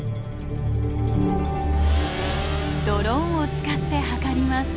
ドローンを使って測ります。